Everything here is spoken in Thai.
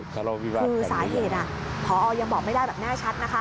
คือสาเหตุพอยังบอกไม่ได้แบบแน่ชัดนะคะ